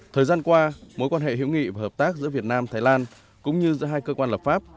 thời gian qua mối quan hệ hữu nghị và hợp tác giữa việt nam thái lan cũng như giữa hai cơ quan lập pháp